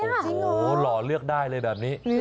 โอ้โหหล่อเลือกได้เลยแบบนี้